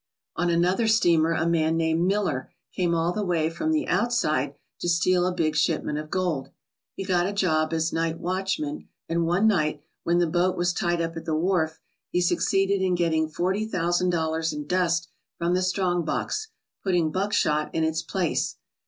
On another steamer a man named Miller came all the way from the "outside" to steal a big shipment of gold. He got a job as night watchman, and one night, when the boat was tied up at the wharf, he suc ceeded in getting forty thousand dollars in dust from the strong box, putting buckshot in its place.